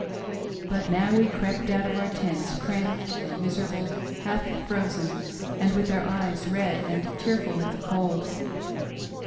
But now we crept out of our tents cramped and miserable, half frozen, and with our eyes red and tearful with the cold.